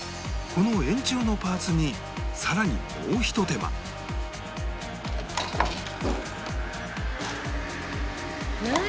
この円柱のパーツにさらにもうひと手間何？